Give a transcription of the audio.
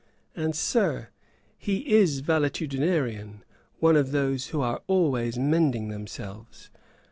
And, Sir, he is valetudinarian, one of those who are always mending themselves.